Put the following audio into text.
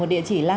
một địa chỉ ý hứa